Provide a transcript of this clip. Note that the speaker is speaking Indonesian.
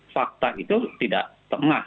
fakta itu tidak tengah